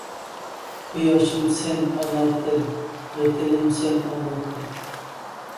قۇياشىم سەن ئانا تىل، ۋەتىنىم سەن ئانا تىل.